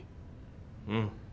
うん。